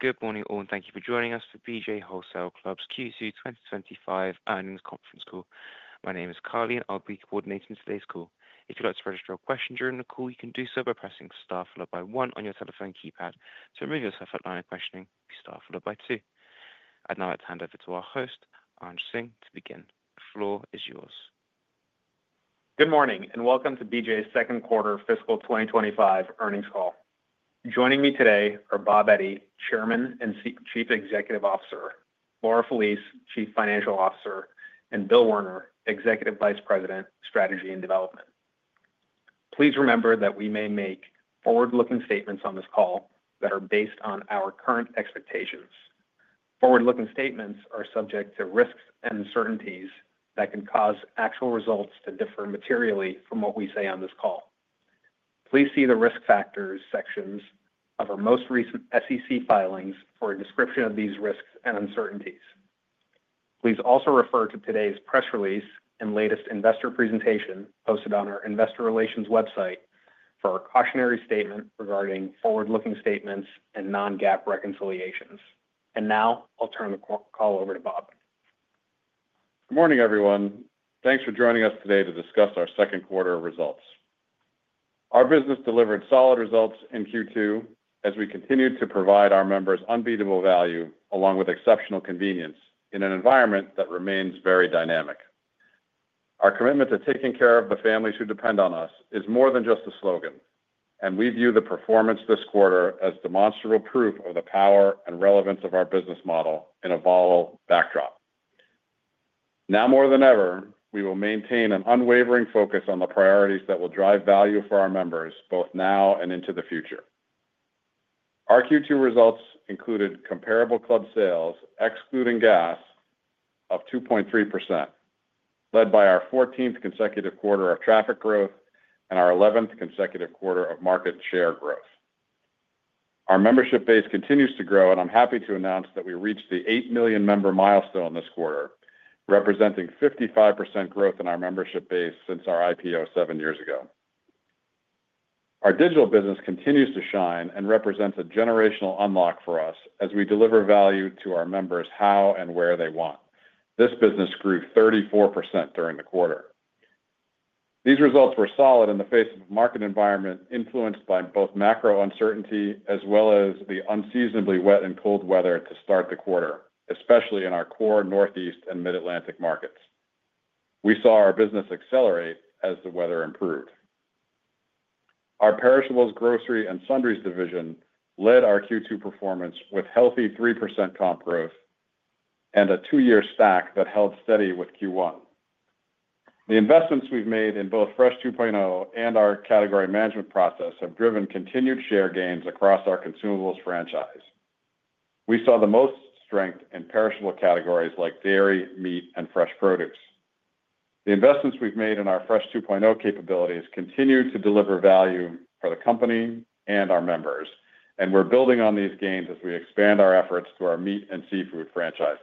Good morning all and thank you for joining us for BJ's Wholesale Club Q2 2025 Earnings Conference Call. My name is Carly and I'll be coordinating today's call. If you'd like to register a question during the call, you can do so by pressing star followed by one on your telephone keypad. To remove yourself from the line of questioning, press star followed by two. I'd now like to hand over to our host Anj Singh to begin. The floor is yours. Good morning and welcome to BJ's Second Quarter Fiscal 2025 Earnings Call. Joining me today are Bob Eddy, Chairman and Chief Executive Officer, Laura Felice, Chief Financial Officer and Bill Werner, Executive Vice President, Strategy and Development. Please remember that we may make forward-looking statements on this call that are based on our current expectations, forward-looking statements are subject to risks and uncertainties that can cause actual results to differ materially from what we say on this call. Please see the Risk Factors sections of our most recent SEC filings for a description of these risks and uncertainties. Please also refer to today's press release and the latest investor presentation is posted on our Investor Relations website for our cautionary statement regarding forward-looking statements and non-GAAP reconciliations. Now I'll turn the call over to Bob. Good morning everyone. Thanks for joining us today to discuss our second quarter results. Our business delivered solid results in Q2 as we continued to provide our members unbeatable value along with exceptional convenience in an environment that remains very dynamic. Our commitment to taking care of the families who depend on us is more than just a slogan, and we view the performance this quarter as demonstrable proof of the power and relevance of our business model in a volatile backdrop. Now more than ever, we will maintain an unwavering focus on the priorities that will drive value for our members both now and into the future. Our Q2 results included comparable club sales, excluding gas, of 2.3%, led by our 14th consecutive quarter of traffic growth and our 11th consecutive quarter of market share growth. Our membership base continues to grow, and I'm happy to announce that we reached the 8 million-member milestone this quarter, representing 55% growth in our membership base since our IPO seven years ago. Our digital business continues to shine and represents a generational unlock for us as we deliver value to our members how and where they want. This business grew 34% during the quarter. These results were solid in the face of a market environment influenced by both macro uncertainty as well as the unseasonably wet and cold weather to start the quarter, especially in our core Northeast and Mid-Atlantic markets. We saw our business accelerate as the weather improved. Our perishables, grocery, and sundries division led our Q2 performance with healthy 3% comp growth and a two-year stack that held steady with Q1. The investments we've made in both Fresh 2.0 and our category management process have driven continued share gains across our consumables franchise. We saw the most strength in perishable categories like dairy, meat, and fresh produce. The investments we've made in our Fresh 2.0 capabilities continue to deliver value for the company and our members, and we're building on these gains as we expand our efforts through our meat and seafood franchises.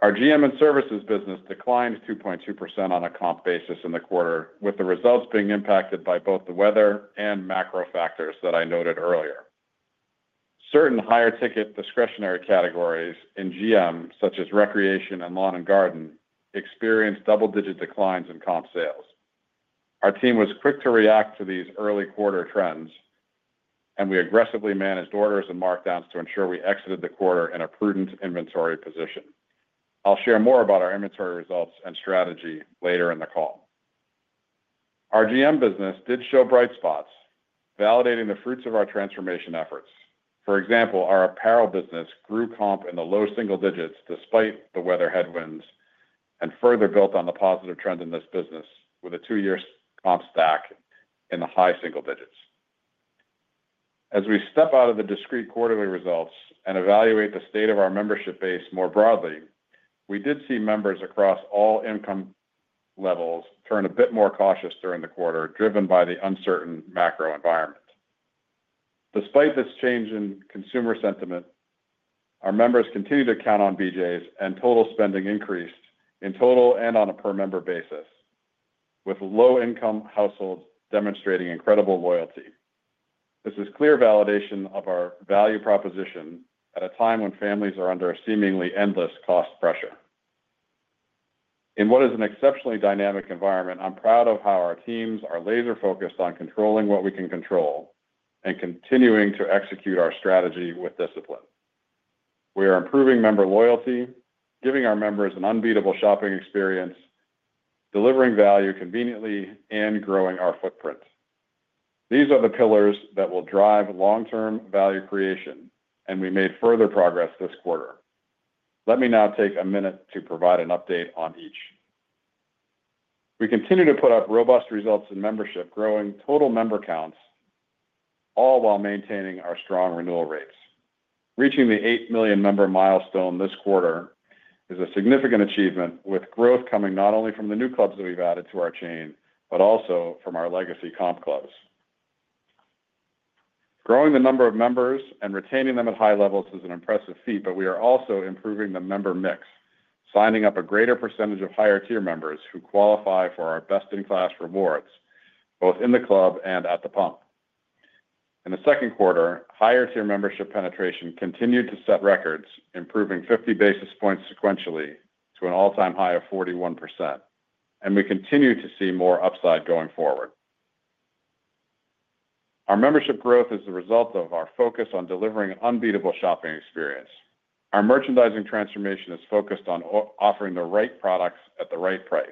Our GM and services business declined 2.2% on a comp basis in the quarter, with the results being impacted by both the weather and macro factors that I noted earlier. Certain higher ticket discretionary categories in GM such as recreation and lawn and garden experienced double-digit declines in comp sales. Our team was quick to react to these early quarter trends, and we aggressively managed orders and markdowns to ensure we exited the quarter in a prudent inventory position. I'll share more about our inventory results and strategy later in the call. Our GM business did show bright spots, validating the fruits of our transformation efforts. For example, our apparel business grew comp in the low single digits despite the weather headwinds and further built on the positive trend in this business with a two-year comp stack in the high single digits. As we step out of the discrete quarterly results and evaluate the state of our membership base more broadly, we did see members across all income levels turn a bit more cautious during the quarter, driven by the uncertain macroeconomic environment. Despite this change in consumer sentiment, our members continue to count on BJ’s, and total spending increased in total and on a per member basis, with low income households demonstrating incredible loyalty. This is clear validation of our value proposition at a time when families are under seemingly endless cost pressure in what is an exceptionally dynamic environment. I'm proud of how our teams are laser focused on controlling what we can control and continuing to execute our strategy with discipline. We are improving member loyalty, giving our members an unbeatable shopping experience, delivering value conveniently, and growing our footprint. These are the pillars that will drive long-term value creation, and we made further progress this quarter. Let me now take a minute to provide an update on each. We continue to put up robust results in membership, growing total member counts, all while maintaining our strong renewal rates. Reaching the 8 million member milestone this quarter is a significant achievement, with growth coming not only from the new clubs that we've added to our chain, but also from our legacy comp clubs. Growing the number of members and retaining them at high levels is an impressive feat, but we are also improving the member mix, signing up a greater percentage of higher tier members who qualify for our best-in-class rewards both in the club and at the pump. In the second quarter, higher tier membership penetration continued to set records, improving 50 basis points sequentially to an all-time high of 41%, and we continue to see more upside going forward. Our membership growth is the result of our focus on delivering unbeatable shopping experience. Our merchandising transformation is focused on offering the right products at the right price.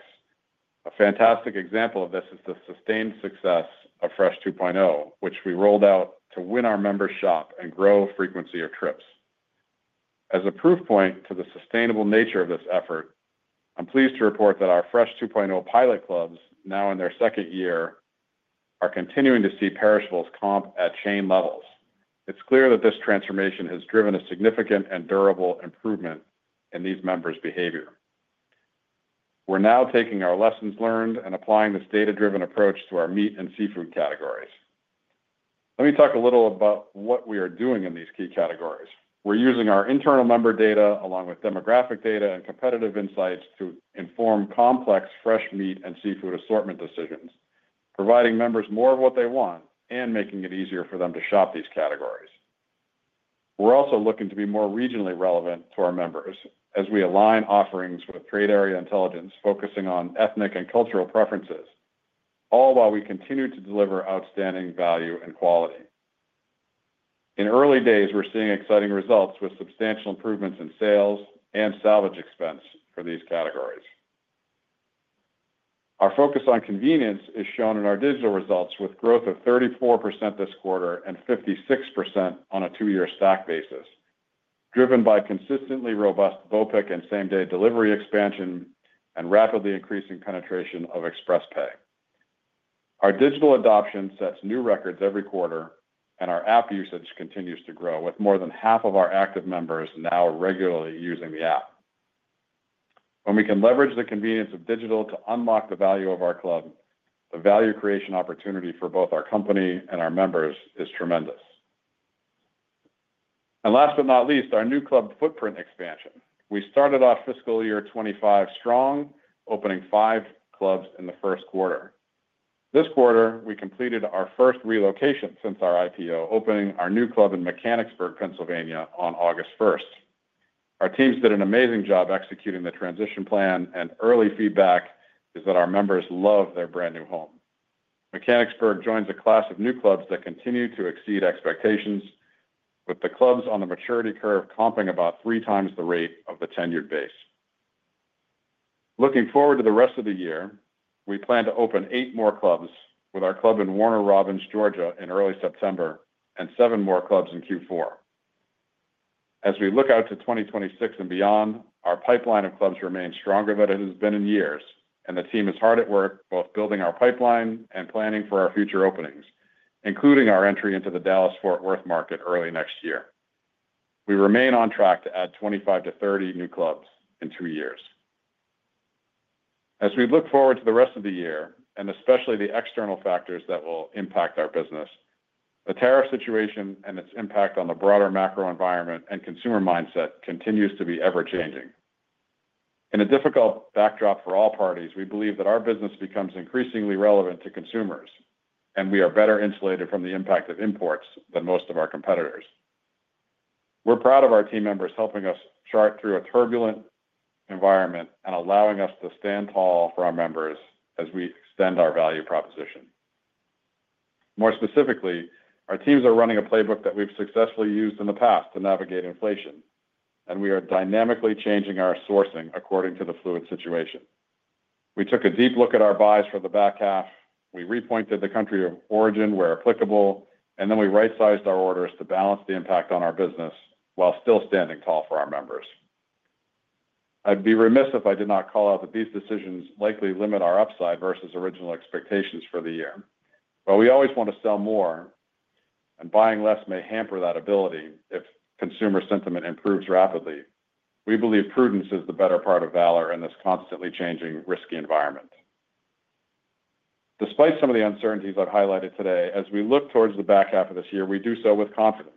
A fantastic example of this is the sustained success of Fresh 2.0, which we rolled out to win our members, shop, and grow frequency of trips. As a proof point to the sustainable nature of this effort, I'm pleased to report that our Fresh 2.0 pilot clubs, now in their second year, are continuing to see perishables comp at chain levels. It's clear that this transformation has driven a significant and durable improvement in these members' behavior. We're now taking our lessons learned and applying this data-driven approach to our meat and seafood categories. Let me talk a little about what we are doing in these key categories. We're using our internal member data along with demographic data and competitive insights to inform complex fresh meat and seafood assortment decisions, providing members more of what they want and making it easier for them to shop these categories. We're also looking to be more regionally relevant to our members as we align offerings with trade area intelligence, focusing on ethnic and cultural preferences, all while we continue to deliver outstanding value and quality. In early days, we're seeing exciting results with substantial improvements in sales and salvage expense for these categories. Our focus on convenience is shown in our digital results with growth of 34% this quarter and 56% on a two-year stack basis, driven by consistently robust BOPIC and same-day delivery expansion and rapidly increasing penetration of Express Pay. Our digital adoption sets new records every quarter, and our app usage continues to grow, with more than half of our active members now regularly using the mobile app. When we can leverage the convenience of digital to unlock the value of our club, the value creation opportunity for both our company and our members is tremendous. And last but not least, our new club footprint expansion. We started off fiscal year 2025 strong, opening five clubs in the first quarter. This quarter we completed our first relocation since our IPO, opening our new club in Mechanicsburg, Pennsylvania on August 1st. Our teams did an amazing job executing the transition plan, and early feedback is that our members love their brand new home. Mechanicsburg joins a class of new clubs that continue to exceed expectations, with the clubs on the maturity curve comping about 3x the rate of the tenured base. Looking forward to the rest of the year, we plan to open eight more clubs, with our club in Warner Robins, Georgia in early September and seven more clubs in Q4. As we look out to 2026 and beyond, our pipeline of clubs remains stronger than it has been in years, and the team is hard at work both building our pipeline and planning for our future openings, including our entry into the Dallas-Fort Worth market early next year. We remain on track to add 25-30 new clubs in two years as we look forward to the rest of the year and especially the external factors that will impact our business. The tariff situation and its impact on the broader macro environment and consumer mindset continues to be ever changing in a difficult backdrop for all parties. We believe that our business becomes increasingly relevant to consumers, and we are better insulated from the impact of imports than most of our competitors. We're proud of our team members helping us chart through a turbulent environment and allowing us to stand tall for our members as we extend our value proposition. More specifically, our teams are running a playbook that we've successfully used in the past to navigate inflation, and we are dynamically changing our sourcing according to the fluid situation. We took a deep look at our buys for the back half, we repointed the country of origin where applicable, and then we right sized our orders to balance the impact on our business while still standing tall for our members. I'd be remiss if I did not call out that these decisions likely limit our upside versus original expectations for the year, but we always want to sell more, and buying less may hamper that ability if consumer sentiment improves rapidly. We believe prudence is the better part of valor in this constantly changing, risky environment. Despite some of the uncertainties I've highlighted today, as we look towards the back half of this year, we do so with confidence.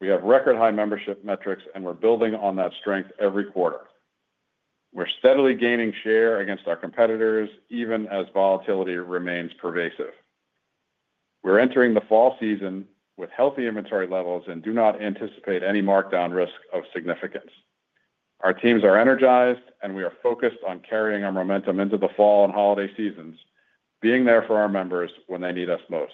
We have record high membership metrics, and we're building on that strength every quarter. We're steadily gaining share against our competitors even as volatility remains pervasive. We're entering the fall season with healthy inventory levels and do not anticipate any markdown risk of significance. Our teams are energized, and we are focused on carrying our momentum into the fall and holiday seasons, being there for our members when they need us most.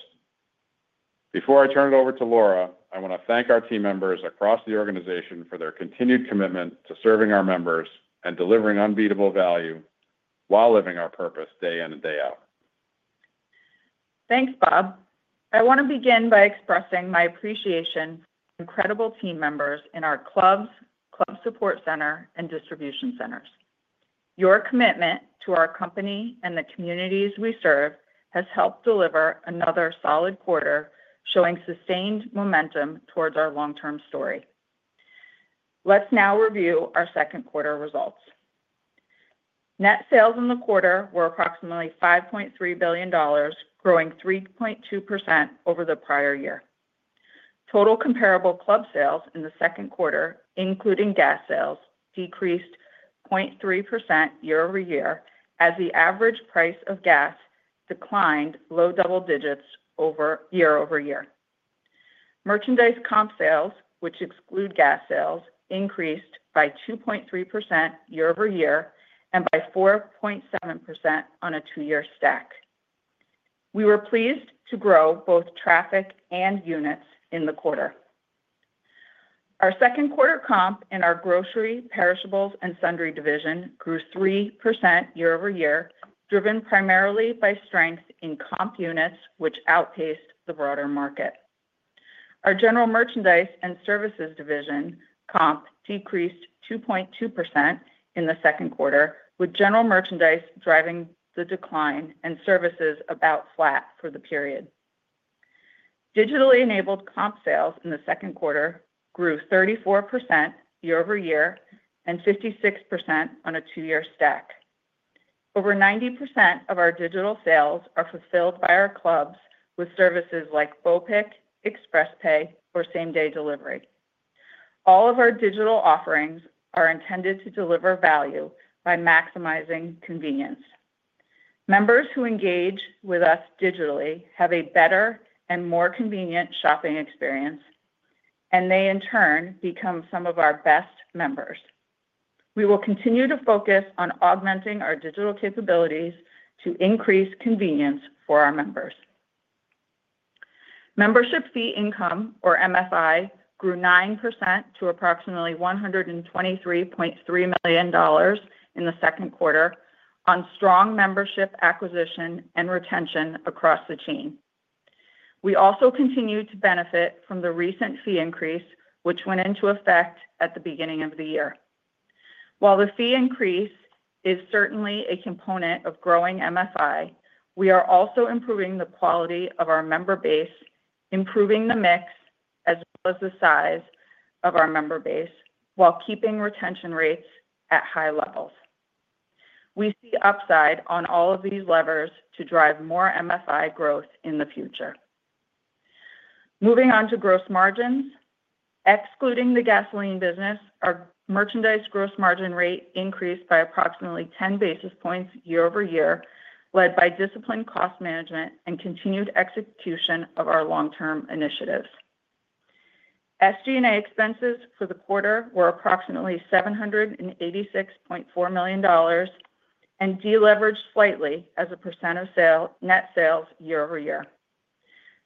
Before I turn it over to Laura, I want to thank our team members across the organization for their continued commitment to serving our members and delivering unbeatable value while living our purpose day-in and day-out. Thanks, Bob. I want to begin by expressing my appreciation for the incredible team members in our Clubs, Club Support Center, and Distribution Centers. Your commitment to our company and the communities we serve has helped deliver another solid quarter, showing sustained momentum towards our long-term story. Let's now review our second quarter results. Net sales in the quarter were approximately $5.3 billion, growing 3.2% over the prior year. Total comparable club sales in the second quarter, including gas sales, decreased 0.3% year-over-year as the average price of gas declined low double digits year-over-year. Merchandise comp sales, which exclude gas sales, increased by 2.3% year-over-year and by 4.7% on a two-year stack. We were pleased to grow both traffic and units in the quarter. Our second quarter comp in our grocery, perishables, and sundry division grew 3% year-over-year, driven primarily by strength in comp units which outpaced the broader market. Our general merchandise and services division comp decreased 2.2% in the second quarter, with general merchandise driving the decline and services about flat for the period. Digitally enabled comp sales in the second quarter grew 34% year-over-year and 56% on a two-year stack. Over 90% of our digital sales are fulfilled by our clubs with services like BOPIC, Express Pay, or same-day delivery. All of our digital offerings are intended to deliver value by maximizing convenience. Members who engage with us digitally have a better and more convenient shopping experience, and they in turn become some of our best members. We will continue to focus on augmenting our digital capabilities to increase convenience for our members. Membership Fee Income, or MFI, grew 9% to approximately $123.3 million in the second quarter on strong membership acquisition and retention across the chain. We also continue to benefit from the recent fee increase, which went into effect at the beginning of the year. While the fee increase is certainly a component of growing MFI, we are also improving the quality of our member base, improving the mix as well as the size of our member base while keeping retention rates at high levels. We see upside on all of these levers to drive more MFI growth in the future. Moving on to gross margins, excluding the gasoline business, our merchandise gross margin rate increased by approximately 10 basis points year-over-year, led by disciplined cost management and continued execution of our long-term initiatives. SG&A expenses for the quarter were approximately $786.4 million and deleveraged slightly as a percent of net sales year-over-year.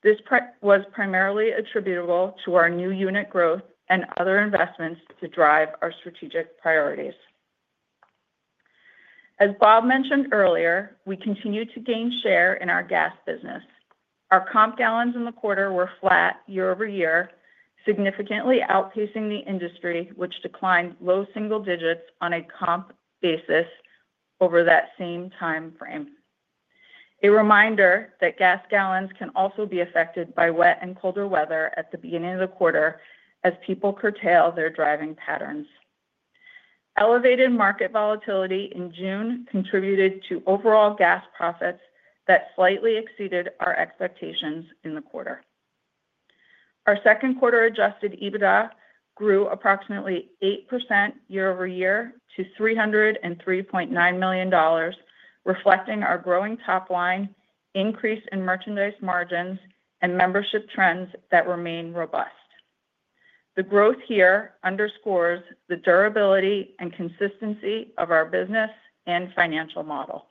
This was primarily attributable to our new unit growth and other investments to drive our strategic priorities. As Bob mentioned earlier, we continue to gain share in our gas business. Our comp gallons in the quarter were flat year-over-year, significantly outpacing the industry which declined low single digits on a comp basis over that same time frame. A reminder that gas gallons can also be affected by wet and colder weather at the beginning of the quarter as people curtail their driving patterns. Elevated market volatility in June contributed to overall gas profits that slightly exceeded our expectations in the quarter. Our second quarter adjusted EBITDA grew approximately 8% year-over-year to $303.9 million, reflecting our growing top line, increase in merchandise margins, and membership trends that remain robust. The growth here underscores the durability and consistency of our business and financial model.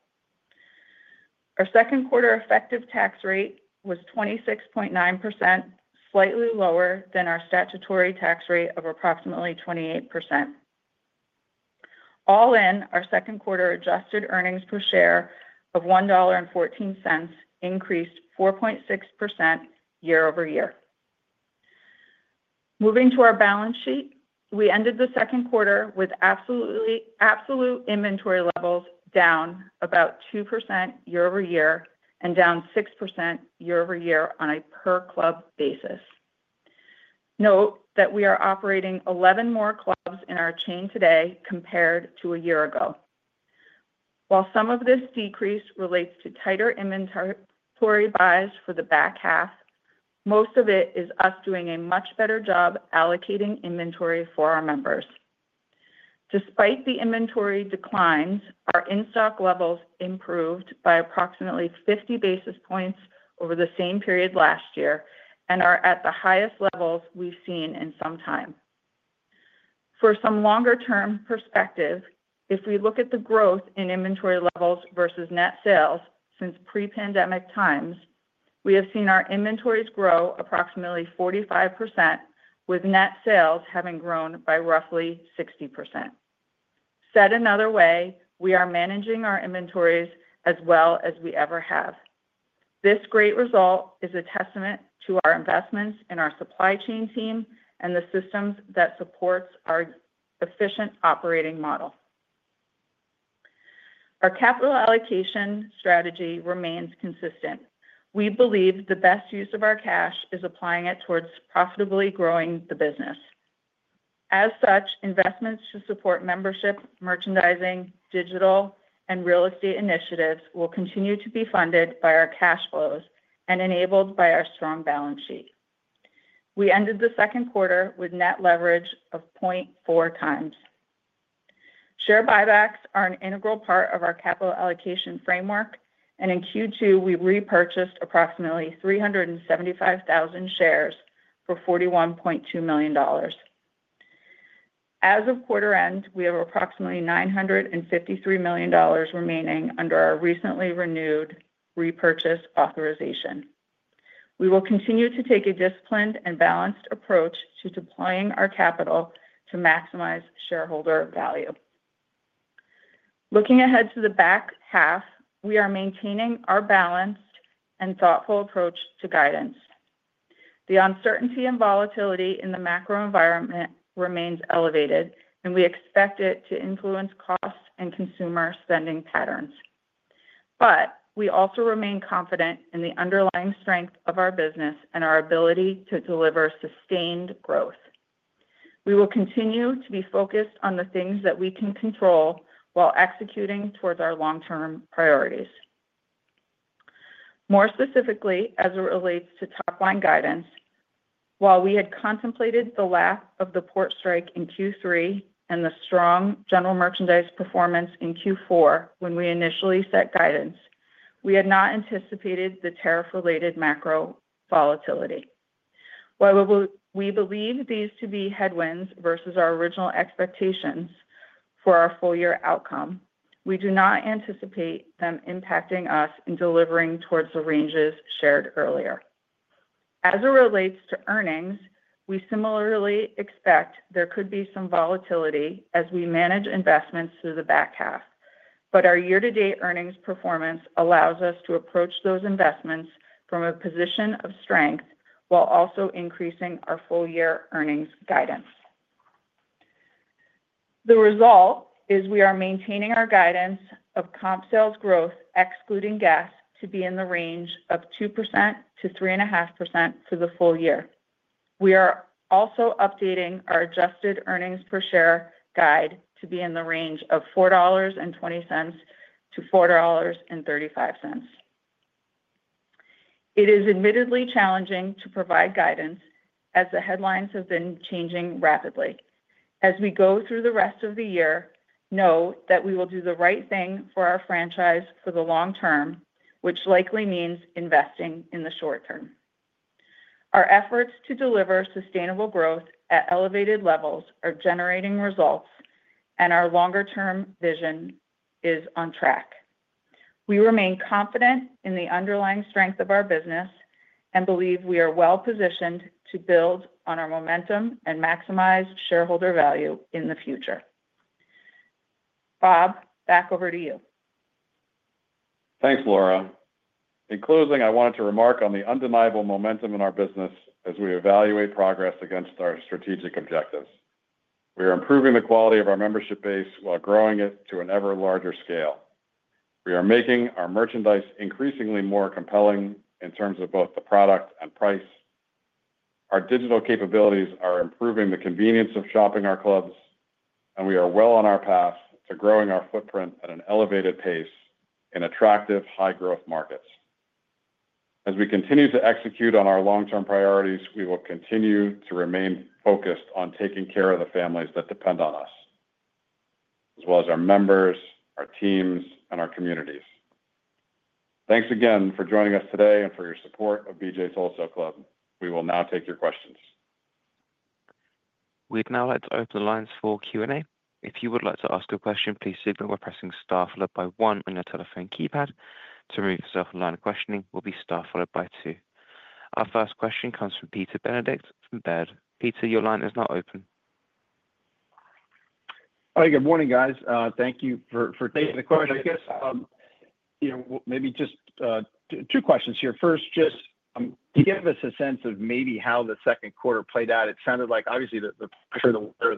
Our second quarter effective tax rate was 26.9%, slightly lower than our statutory tax rate of approximately 28%. All in, our second quarter adjusted earnings per share of $1.14 increased 4.6% year-over-year. Moving to our balance sheet, we ended the second quarter with absolute inventory levels down about 2% year-over-year and down 6% year-over-year on a per club basis. Note that we are operating 11 more clubs in our chain today compared to a year ago. While some of this decrease relates to tighter inventory buys for the back half, most of it is us doing a much better job allocating inventory for our members. Despite the inventory declines, our in-stock rates improved by approximately 50 basis points over the same period last year and are at the highest levels we've seen in some time. For some longer term perspective, if we look at the growth in inventory levels versus net sales since pre-pandemic times, we have seen our inventories grow approximately 45% with net sales having grown by roughly 60%. Said another way, we are managing our inventories as well as we ever have. This great result is a testament to our investments in our supply chain team and the systems that support our efficient operating model. Our capital allocation strategy remains consistent. We believe the best use of our cash is applying it towards profitably growing the business as such investments should support membership, merchandising, digital, and real estate initiatives will continue to be funded by our cash flows and enabled by our strong balance sheet. We ended the second quarter with net leverage of 0.4x. Share buybacks are an integral part of our capital allocation framework, and in Q2 we repurchased approximately 375,000 shares for $41.2 million. As of quarter end, we have approximately $953 million remaining under our recently renewed repurchase authorization. We will continue to take a disciplined and balanced approach to deploying our capital to maximize shareholder value. Looking ahead to the back half, we are maintaining our balanced and thoughtful approach to guidance. The uncertainty and volatility in the macro environment remains elevated, and we expect it to influence costs and consumer spending patterns. We also remain confident in the underlying strength of our business and our ability to deliver sustained growth. We will continue to be focused on the things that we can control while executing towards our long-term priorities. More specifically, as it relates to top line guidance, while we had contemplated the lack of the port strike in Q3 and the strong general merchandise performance in Q4 when we initially set guidance, we had not anticipated the tariff-related macro volatility. We believe these to be headwinds versus our original expectations for our full year outcome, we do not anticipate them impacting us in delivering towards the ranges shared earlier. As it relates to earnings, we similarly expect there could be some volatility as we manage investments through the back half, but our year-to-date earnings performance allows us to approach those investments from a position of strength while also increasing our full year earnings guidance. The result is we are maintaining our guidance of comp sales growth excluding gas to be in the range of 2%-3.5% for the full year. We are also updating our adjusted earnings per share guide to be in the range of $4.20-$4.35. It is admittedly challenging to provide guidance as the headlines have been changing rapidly. As we go through the rest of the year, know that we will do the right thing for our franchise for the long-term, which likely means investing in the short-term. Our efforts to deliver sustainable growth at elevated levels are generating results, and our longer-term vision is on track. We remain confident in the underlying strength of our business and believe we are well positioned to build on our momentum and maximize shareholder value in the future. Bob, back over to you. Thanks, Laura. In closing, I wanted to remark on the undeniable momentum in our business as we evaluate progress against our strategic objectives. We are improving the quality of our membership base while growing it to an ever larger scale. We are making our merchandise increasingly more compelling in terms of both the product and price. Our digital capabilities are improving the convenience of shopping our clubs, and we are well on our path to growing our footprint at an elevated pace in attractive high growth markets. As we continue to execute on our long-term priorities, we will continue to remain focused on taking care of the families that depend on us as well as our members, our teams, and our communities. Thanks again for joining us today and for your support of BJ’s Wholesale Club. We will now take your questions. We'd now like to open the lines for Q&A. If you would like to ask a question, please signal by pressing star followed by one on your telephone keypad. To remove yourself from the queue, press star followed by two. Our first question comes from Peter Benedict from Baird. Incorporated. Peter, your line is now open. All right, good morning guys. Thank you for taking the question. I guess maybe just two questions here. First, just to give us a sense of maybe how the second quarter played out. It sounded like obviously the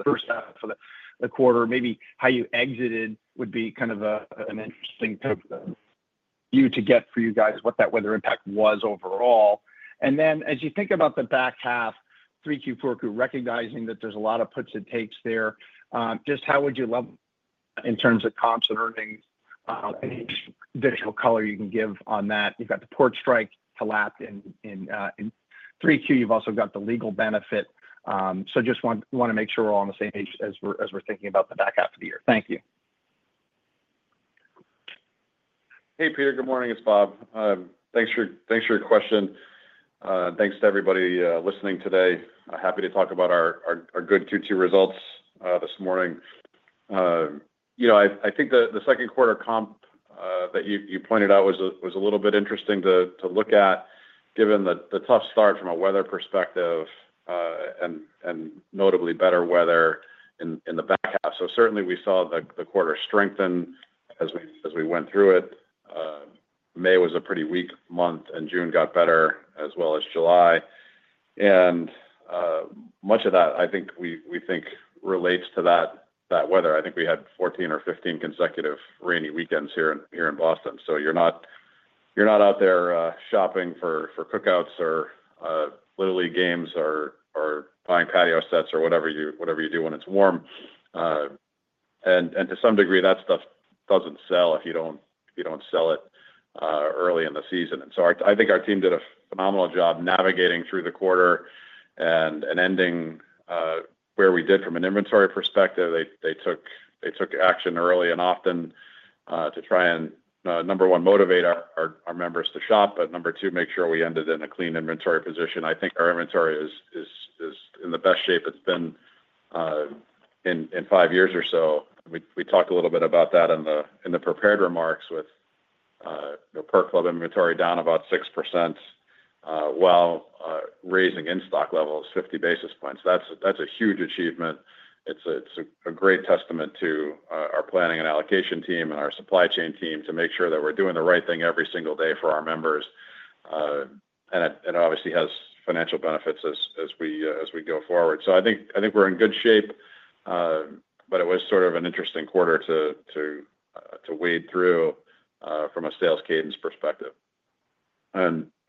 first half of the quarter, maybe how you exited would be kind of an interesting view to get for you guys what that weather impact was overall. As you think about the back half, 3Q, 4Q, recognizing that there's a lot of puts and takes there, just how would you level in terms of comps and earnings? Digital color you can give on that. You've got the port strike collapsed in 3Q. You've also got the legal benefit. Just want to make sure we're all on the same page as we're thinking about the back half of the year. Thank you. Hey Peter, good morning, it's Bob. Thanks for your question. Thanks to everybody listening today. Happy to talk about our good Q2 results this morning. I think the second quarter comp that you pointed out was a little bit interesting to look at given the tough start from a weather perspective and notably better weather in the back half. Certainly we saw the quarter strengthening as we went through it. May was a pretty weak month and June got better as well as July. Much of that I think we think relates to that weather. I think we had 14 or 15 consecutive rainy weekends here in Boston. You're not out there shopping for cookouts or Little League games or buying patio sets or whatever you do when it's warm. To some degree that stuff doesn't sell if you don't sell it early in the season. I think our team did a phenomenal job navigating through the quarter and ending where we did from an inventory perspective. They took action early and often to try and, number one, motivate our members to shop. Number two, make sure we ended in a clean inventory position. I think our inventory is in the best shape it's been in five years or so. We talked a little bit about that in the prepared remarks with Perk Club inventory down about 6% while raising in-stock levels 50 basis points, that's a huge achievement. It's a great testament to our planning and allocation team and our supply chain team to make sure that we're doing the right thing every single day for our members and obviously has financial benefits as we go forward. I think we're in good shape. It was sort of an interesting quarter to wade through from a sales cadence perspective.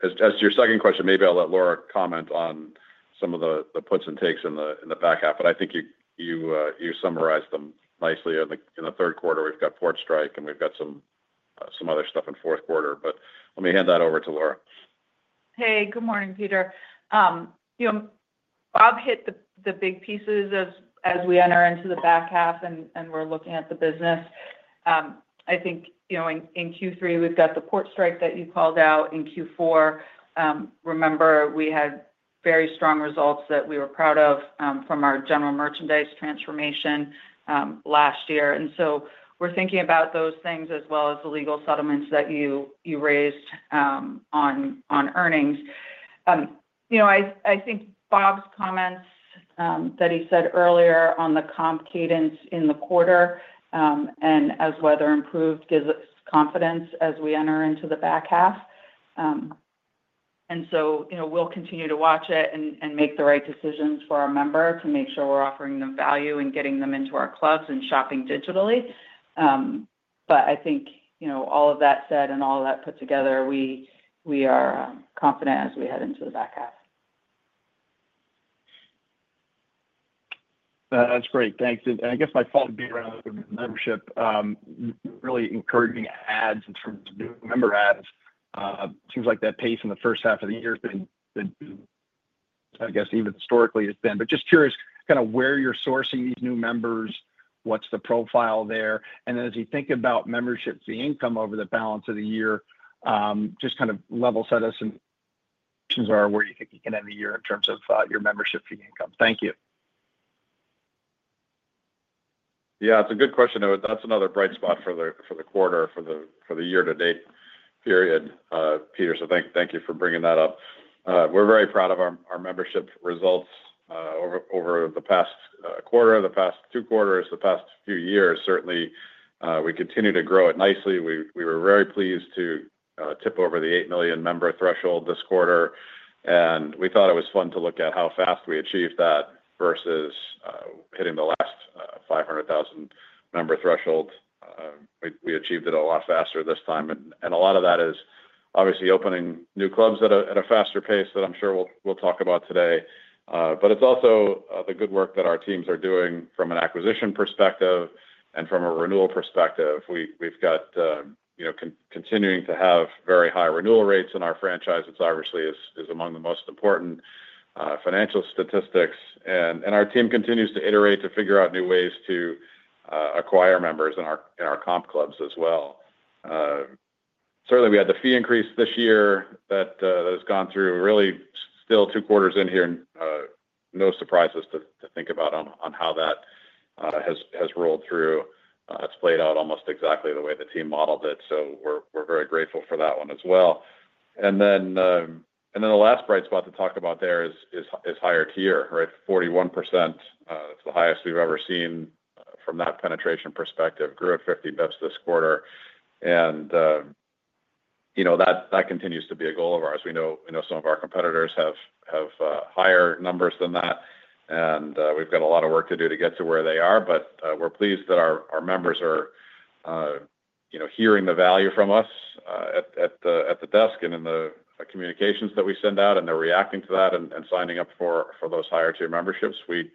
As to your second question, maybe I'll let Laura comment on some of the puts and takes in the back half. I think you summarized them nicely in the third quarter. We've got Ford strike and we've got some other stuff in fourth quarter. Let me hand that over to Laura. Hey, good morning, Peter. You know, Bob hit the big pieces as we enter into the back half and we're looking at the business. I think, you know, in Q3 we've got the port strike that you called out in Q4. Remember, we had very strong results that we were proud of from our general merchandise transformation last year. We are thinking about those things as well as the legal settlements that you raised on earnings. I think Bob's comments that he said earlier on the comp cadence in the quarter and as weather improved gives us confidence as we enter into the back half. We will continue to watch it and make the right decisions for our member to make sure we're offering them value and getting them into our clubs and shopping digitally. I think, you know, all of that said and all that put together, we are confident as we head. Into the back half. That's great. Thanks. My follow-up is around membership, really encouraging ads in terms of new member ads. Seems like that pace in the first half of the year, I guess, even historically has been. Just curious, kind of where you're. Sourcing these new members. What's the profile there? As you think about membership fee iIncome over the balance of the year. Just level set us where you think you can end the year in terms of your membership fee income. Thank you. Yeah, it's a good question. That's another bright spot for the quarter, for the year-to-date period, Peter. Thank you for bringing that up. We're very proud of our membership results over the past quarter, the past two quarters, the past few years. Certainly we continue to grow it nicely. We were very pleased to tip over the 8 million member threshold this quarter, and we thought it was fun to look at how fast we achieved that versus hitting the last 500,000 member threshold. We achieved it a lot faster this time, and a lot of that is obviously opening new clubs at a faster pace that I'm sure we'll talk about today. It's also the good work that our teams are doing from an acquisition perspective and from a renewal perspective. We've got, you know, continuing to have very high renewal rates in our franchise. It obviously is among the most important financial statistics, and our team continues to iterate to figure out new ways to acquire members and our comp clubs as well. We had the fee increase this year that has gone through really still two quarters in here. No surprises to think about on how that has rolled through. That's played out almost exactly the way the team modeled it. We're very grateful for that one as well. The last bright spot to talk about there is higher tier, right. 41%. That's the highest we've ever seen from that penetration perspective. Grew at 50 bps this quarter. That continues to be a goal of ours. We know some of our competitors have higher numbers than that, and we've got a lot of work to do to get to where they are. We're pleased that our members are hearing the value from us at the desk and in the communications that we send out, and they're reacting to that and signing up for those higher tier memberships. We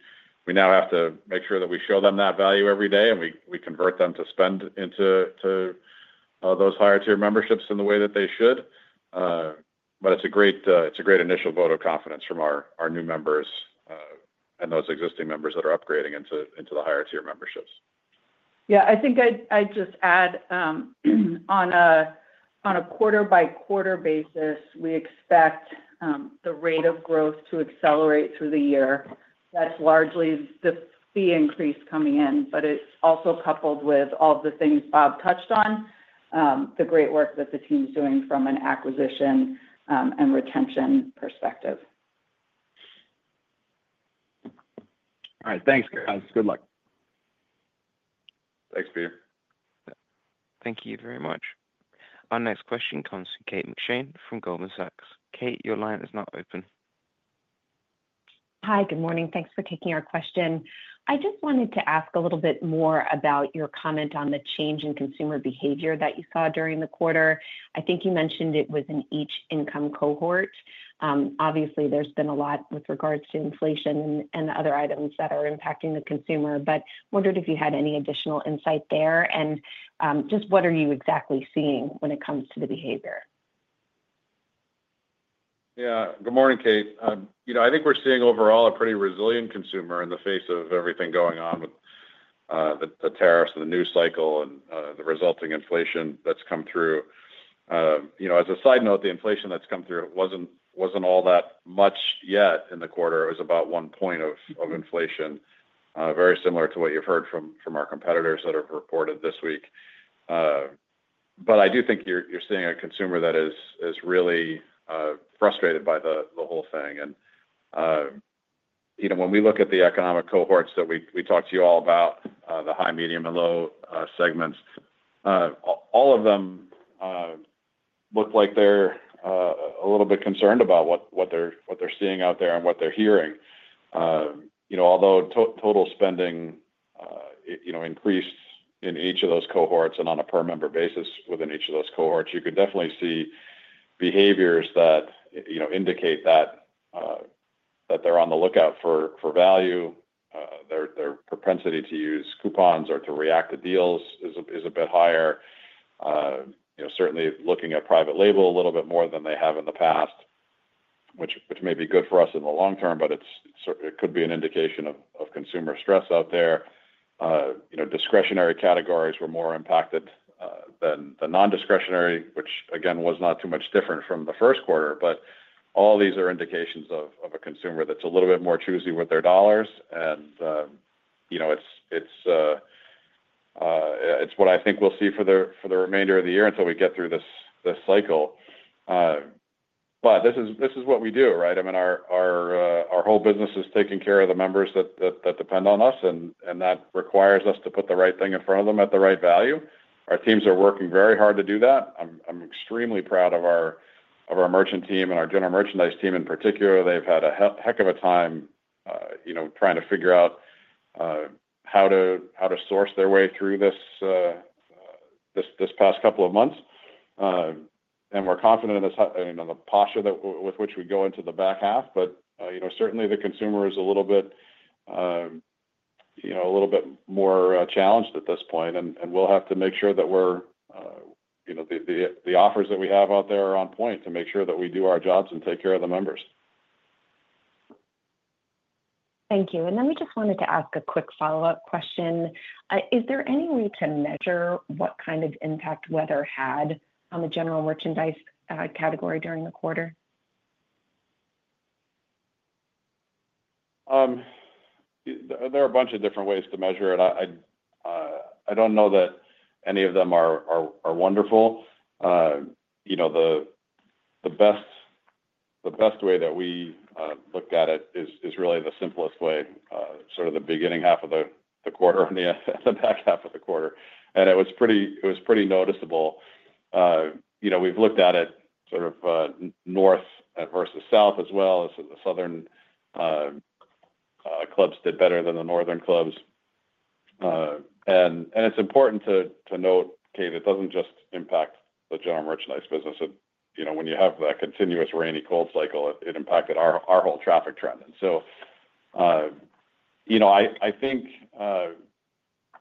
now have to make sure that we show them that value every day and we convert them to spend into those higher tier memberships in the way that they should. It's a great initial vote of confidence from our new members and those existing members that are upgrading into the higher tier memberships. Yeah, I think I'd just add on a quarter-by-quarter basis we expect the rate of growth to accelerate through the year. That is largely the fee increase coming in. It's also coupled with all the things Bob touched on, the great work that the team's doing from an acquisition and retention perspective. All right, thanks, guys. Good luck. Thanks, Peter. Thank you very much. Our next question comes from Kate McShane from Goldman Sachs. Kate, your line is now open. Hi, good morning. Thanks for taking our question. I just wanted to ask a little bit more about your comment on the change in consumer behavior that you saw during the quarter. I think you mentioned it was in each income cohort. Obviously, there's been a lot with regards to inflation and other items that are impacting the consumer, but wondered if you had any additional insight there. What are you exactly seeing when it comes to the behavior? Good morning, Kate. I think we're seeing overall a pretty resilient consumer in the face of everything going on with the tariffs and the news cycle and the resulting inflation that's come through. As a side note, the inflation that's come through wasn't all that much yet in the quarter. It was about 1% inflation, very similar to what you've heard from our competitors that have reported this week. I do think you're seeing a consumer that is really frustrated by the whole thing. When we look at the economic cohorts that we talked to you all about, the high, medium, and low segments, all of them look like they're a little bit concerned about what they're seeing out there and what they're hearing. Although total spending increased in each of those cohorts and on a per member basis within each of those cohorts, you could definitely see behaviors that indicate that they're on the lookout for value. Their propensity to use coupons or to react to deals is a bit higher. Certainly looking at private label a little bit more than they have in the past, which may be good for us in the long-term, but it could be an indication of consumer stress out there. Discretionary categories were more impacted than the non-discretionary, which again, was not too much different from the first quarter. All these are indications of a consumer that's a little bit more choosy with their dollars. It's what I think we'll see for the remainder of the year until we get through this cycle. This is what we do, right? Our whole business is taking care of the members that depend on us and requires us to put the right thing in front of them at the right value. Our teams are working very hard to do that. I'm extremely proud of our merchant team and our general merchandise team in particular. They've had a heck of a time trying to figure out how to source their way through this past couple of months. We're confident in this posture with which we go into the back half. The consumer is a little bit more challenged at this point. We'll have to make sure that the offers that we have out there are on point to make sure that we do our jobs and take care of the members. Thank you. We just wanted to ask a quick follow up question. Is there any way to measure what kind of impact weather had on the general merchandise category during the quarter? There are a bunch of different ways to measure it. I don't know that any of them are wonderful. The best way that we looked at it is really the simplest way, sort of the beginning half of the quarter and the back half of the quarter, and it was pretty noticeable. We've looked at it sort of north versus south as well, as the Southern Clubs did better than the Northern Clubs. It's important to note, it doesn't just impact the general merchandise business. When you have that continuous rainy cold cycle, it impacted our whole traffic trend.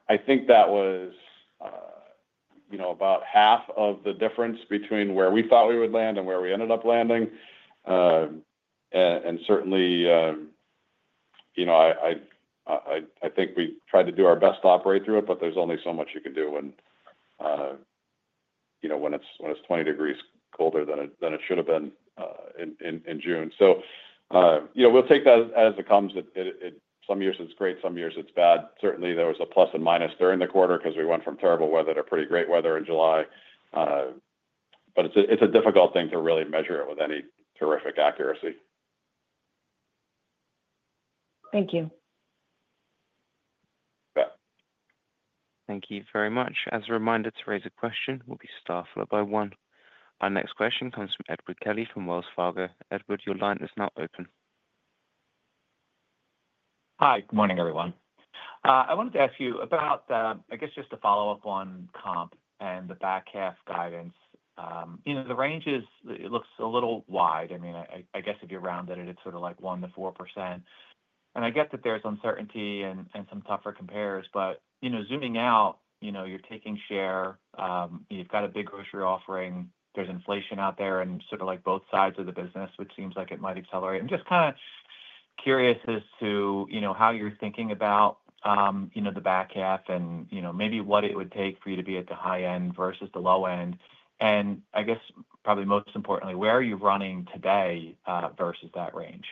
I think that was about half of the difference between where we thought we would land and where we ended up landing. Certainly, I think we tried to do our best to operate through it, but there's only so much you can do when it's 20 degrees colder than it should have been in June. We'll take that as it comes. Some years it's great, some years it's bad. Certainly, there was a plus and minus during the quarter because we went from terrible weather to pretty great weather in July. It's a difficult thing to really measure it with any terrific accuracy. Thank you. Thank you very much. As a reminder, to raise a question, we'll be star followed by one. Our next question comes from Edward Kelly from Wells Fargo. Edward, your line is now open. Hi, good morning everyone. I wanted to ask you about, I guess just a follow up on comp and the back half guidance. The range is, it looks a little wide. I mean, I guess if you rounded it, it's sort of like 1%-4%. I get that there's uncertainty and some tougher compares, but zooming out, you're taking share, you've got a big grocery offering, there's inflation out there and sort of like both sides of the business, which seems like it might accelerate. I'm just kind of curious as to how you're thinking about the back half and maybe what it would take for you to be at the high end versus the low end. I guess, probably most importantly, where are you running today versus that range?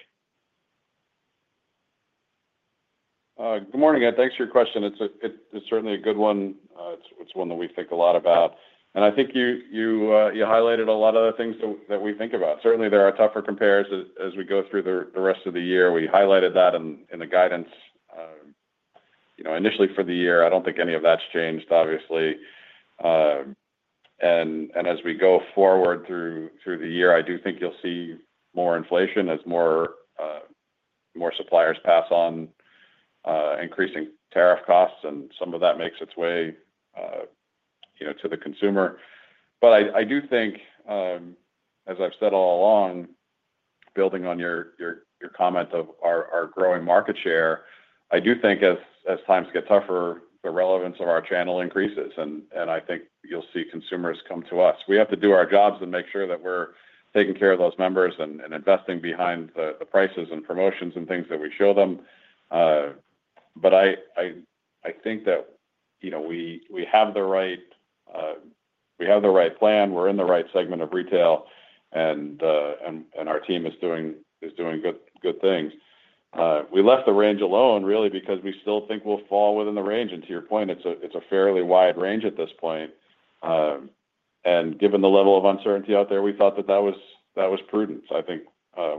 Good morning, Ed. Thanks for your question. It's certainly a good one. It's one that we think a lot about. I think you highlighted a lot of the things that we think about. Certainly there are tougher compares as we go through the rest of the year. We highlighted that in the guidance, you know, initially for the year. I don't think any of that's changed, obviously. As we go forward through the year, I do think you'll see more inflation as more suppliers pass on increasing tariff costs and some of that makes its way to the consumer. I do think, as I've said all along, building on your comment of our growing market share, as times get tougher, the relevance of our channel increases. I think you'll see consumers come to us. We have to do our jobs and make sure that we're taking care of those members and investing behind the prices and promotions and things that we show them. I think that we have the right plan. We're in the right segment of retail and our team is doing good things. We left the range alone, really, because we still think we'll fall within the range. To your point, it's a fairly wide range at this point. Given the level of uncertainty out there, we thought that that was prudent. I think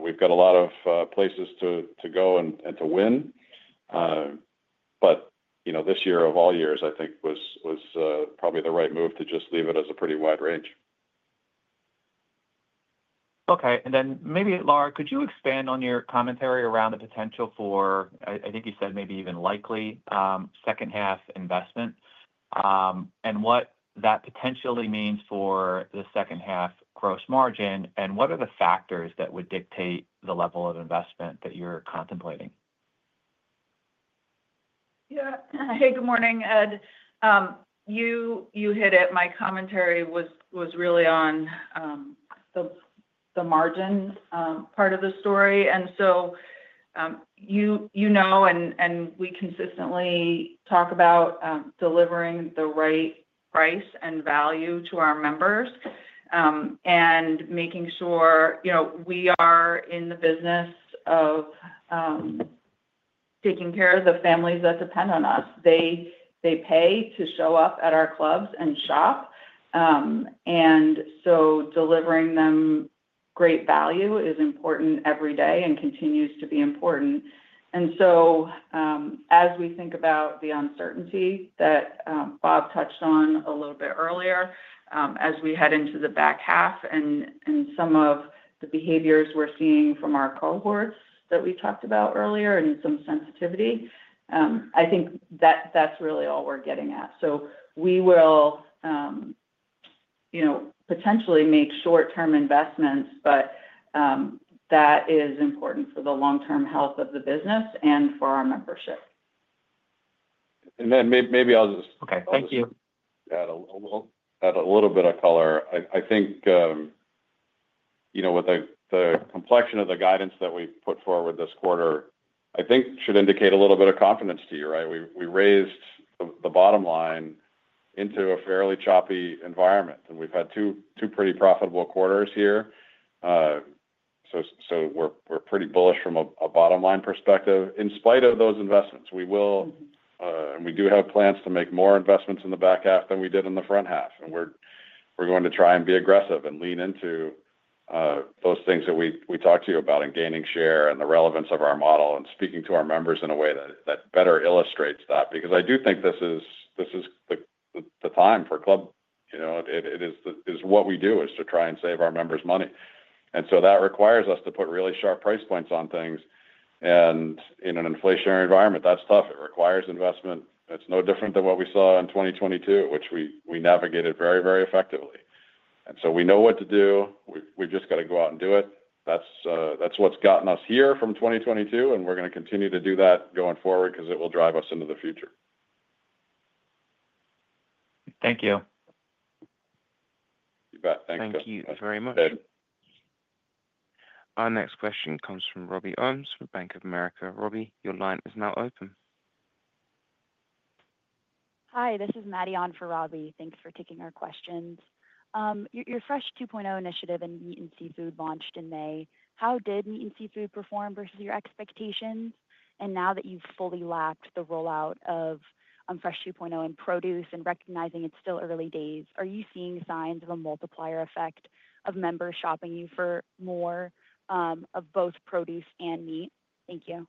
we've got a lot of places to go and to win. This year of all years, I think was probably the right move to just leave it as a pretty wide range. Okay. Laura, could you expand on your commentary around the potential for, I think you said, maybe even likely second half investment and what that potentially means for the second half gross margin, and what are the factors that would dictate the level of investment that you're contemplating? Yeah. Hey, good morning, Ed. You hit it. My commentary was really on the margin part of the story. We consistently talk about delivering the right price and value to our members and making sure we are in the business of taking care of the families that depend on us. They pay to show up at our clubs and shop. Delivering them great value is important every day and continues to be important. As we think about the uncertainty that Bob touched on a little bit earlier as we head into the back half and some of the behaviors we're seeing from our cohorts that we talked about earlier and some sensitivity, I think that that's really all we're getting at. We will potentially make short-term investments, but that is important for the long-term health of the business and for our membership. Maybe I'll just. Okay, thank you. Add a little bit of color. I think, you know, with the complexion of the guidance that we've put forward this quarter, I think should indicate a little bit of confidence to you. Right. We raised the bottom line into a fairly choppy environment and we've had two pretty profitable quarters here. We're pretty bullish from a bottom line perspective. In spite of those investments, we will, and we do have plans to make more investments in the back half than we did in the front half. We're going to try and be aggressive and lean into those things that we talked to you about and gaining share and the relevance of our model and speaking to our members in a way that better illustrates that because I do think this is the time for club. You know, what we do is to try and save our members money. That requires us to put really sharp price points on things. In an inflationary environment, that's tough. It requires investment. It's no different than what we saw in 2022, which we navigated very, very effectively. We know what to do. We've just got to go out and do it. That's what's gotten us here from 2022. We're going to continue to do that going forward because it will drive us into the future. Thank you. Thank you very much. Our next question comes from Robbie Owens from Bank of America. Robbie, your line is now open. Hi, this is Maddie on for Robbie. Thanks for taking our questions. Your Fresh 2.0 initiative in meat and seafood launched in May. How did meat and seafood perform versus your expectations? Now that you've fully lapped the rollout of Fresh 2.0 in produce and recognizing it's still early days, are you seeing signs of a multiplier effect of members shopping you for more of both produce and meat? Thank you.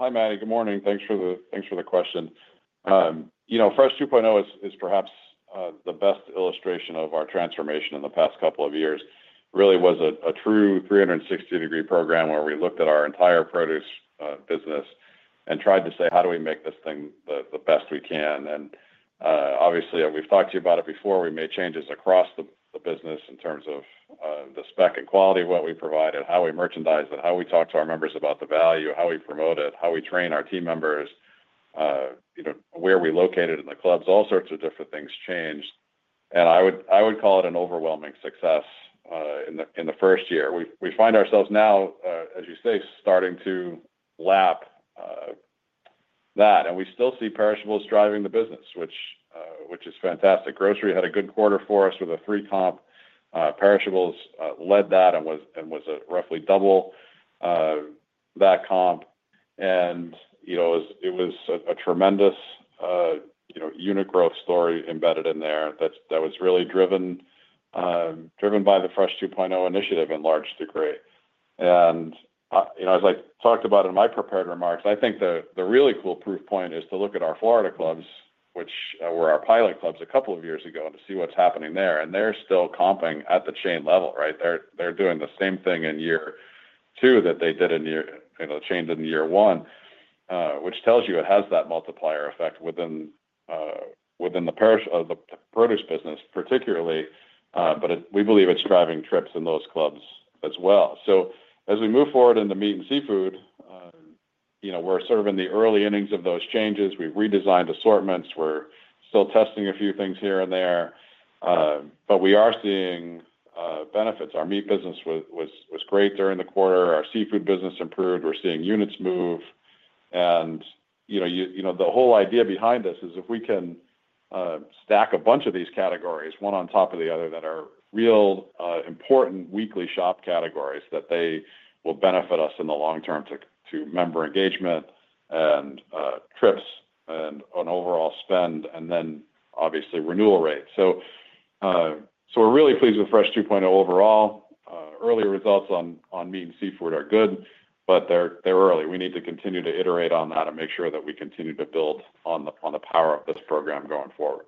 Hi, Maddie. Good morning. Thanks for the question. You know, Fresh 2.0 is perhaps the best illustration of our transformation in the past couple of years. It really was a true 360 degree program where we looked at our entire produce business and tried to say, how do we make this thing the best we can? Obviously, we've talked to you about it before. We made changes across the business in terms of the spec and quality of what we provided, how we merchandise, how we talk to our members about the value, how we promote it, how we train our team members, where we located in the clubs. All sorts of different things changed. I would call it an overwhelming success in the first year. We find ourselves now, as you say, starting to lap that. We still see perishables driving the business, which is fantastic. Grocery had a good quarter for us with a 3% comp. Perishables led that and was roughly double that comp. It was a tremendous unit growth story embedded in there that was really driven by the Fresh 2.0 initiative in large degree. As I talked about in my prepared remarks, I think the really cool proof point is to look at our Florida clubs, which were our pilot clubs a couple of years ago, and to see what's happening there. They're still comping at the chain level. They're doing the same thing in year two that they did in year one, which tells you it has that multiplier effect within the perishables, the produce business particularly. We believe it's driving trips in those clubs as well. As we move forward in the meat and seafood, we're sort of in the early innings of those changes. We've redesigned assortments. We're still testing a few things here and there, but we are seeing benefits. Our meat business was great during the quarter. Our seafood business improved. We're seeing units move. The whole idea behind this is if we can stack a bunch of these categories one on top of the other, that are real important weekly shop categories, they will benefit us in the long-term to member engagement and trips and overall spend and then obviously renewal rates. We're really pleased with Fresh 2.0 overall. Earlier results on meat and seafood are good, but they're early. We need to continue to iterate on that and make sure that we continue to build on the power of this program going forward.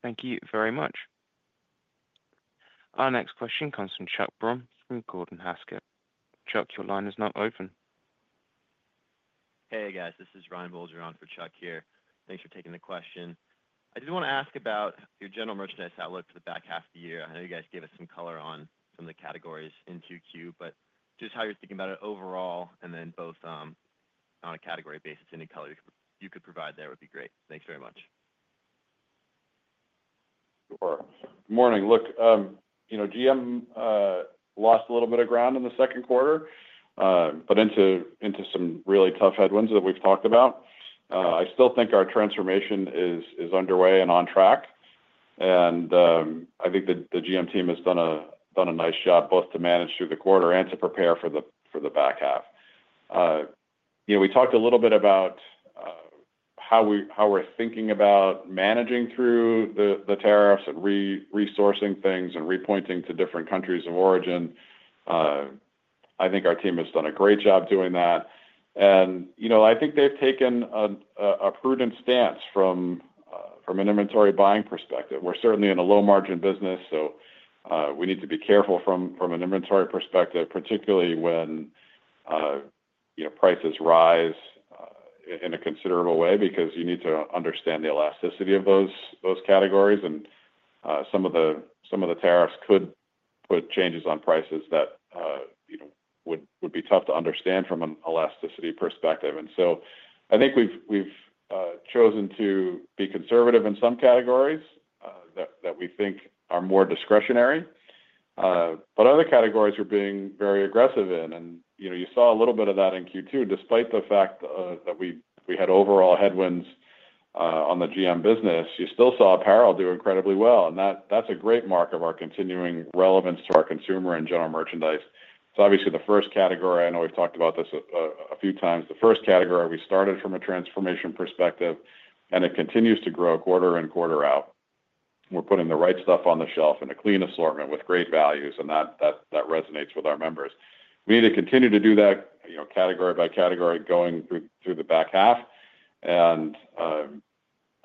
Thank you very much. Our next question comes from Chuck Grom from Gordon Haskett. Chuck, your line is not open. Hey, guys, this is Ryan Bulger on for Chuck here. Thanks for taking the question. I did want to ask about your. General merchandise outlook for the back half of the year. I know you guys gave us some color on some of the categories in 2Q, just how you're thinking about it overall and then both on a category basis. Any color you could provide there would be great. Thanks very much. Morning. Look, you know, GM lost a little bit of ground in the second quarter, but into some really tough headwinds that we've talked about. I still think our transformation is underway and on track. I think that the GM team has done a nice job both to manage through the quarter and to prepare for the back half. We talked a little bit about how we're thinking about managing through the tariffs and resourcing things and repointing to different countries of origin. I think our team has done a great job doing that and I think they've taken a prudent stance from an inventory buying perspective. We're certainly in a low margin business, so we need to be careful from an inventory perspective, particularly when prices rise in a considerable way, because you need to understand the elasticity of those categories and some of the tariffs could put changes on prices that would be tough to understand from an elasticity perspective. I think we've chosen to be conservative in some categories that we think are more discretionary, but other categories we're being very aggressive in. You saw a little bit of that in Q2. Despite the fact that we had overall headwinds on the GM business, you still saw apparel do incredibly well. That's a great mark of our continuing relevance to our consumer and general merchandise. Obviously the first category. I know we've talked about this a few times. The first category we started from a transformation perspective and it continues to grow quarter-in, quarter-out. We're putting the right stuff on the shelf in a clean assortment with great values. That resonates with our members. We need to continue to do that category-by-category going through the back half and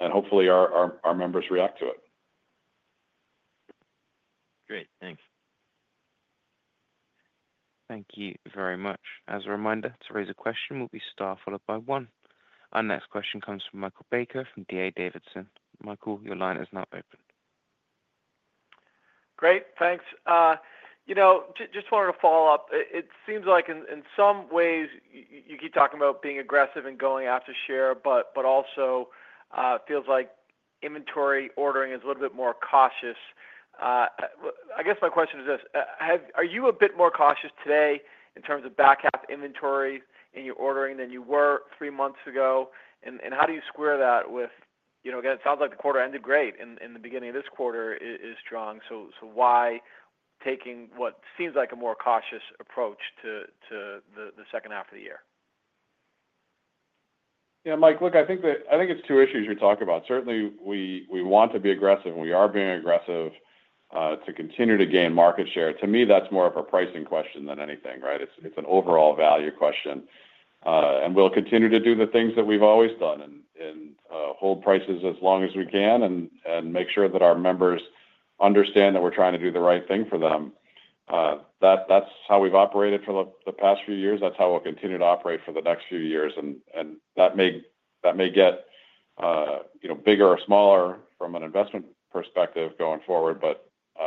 hopefully our members react to it. Great, thanks. Thank you very much. As a reminder, to raise a question, it will be star followed by one. Our next question comes from Michael Baker from D.A. Davidson. Michael, your line is now open. Great, thanks. Just wanted to follow up. It seems like in some ways you keep talking about being aggressive and going after share, but it also feels like inventory ordering is a little bit more cautious. I guess my question is this. Are you a bit more cautious today in terms of back half inventory in your ordering than you were three months ago? How do you square that with, you know, again, it sounds like the quarter ended great and the beginning of this quarter is strong. Why take what seems like a more cautious approach to the second half of the year? Yeah, Mike, look, I think it's two issues you're talking about. Certainly we want to be aggressive and we are being aggressive to continue to gain market share. To me, that's more of a pricing question than anything. It's an overall value question. We'll continue to do the things that we've always done and hold prices as long as we can and make sure that our members understand that we're trying to do the right thing for them. That's how we've operated for the past few years. That's how we'll continue to operate for the next few years. That may get bigger or smaller from an investment perspective going forward,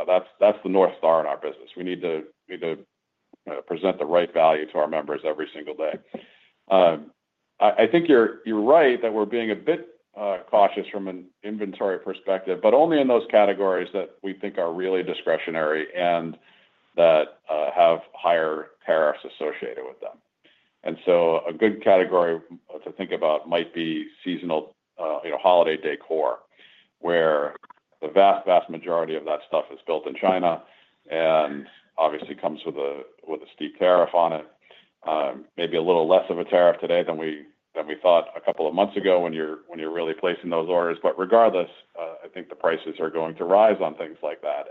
but that's the North Star in our business. We need to present the right value to our members every single day. I think you're right that we're being a bit cautious from an inventory perspective, but only in those categories that we think are really discretionary and that have higher tariffs associated with them. A good category to think about might be seasonal, you know, holiday decor, where the vast, vast majority of that stuff is built in China and obviously comes with a steep tariff on it. Maybe a little less of a tariff today than we thought a couple of months ago when you're really placing those orders. Regardless, I think the prices are going to rise on things like that.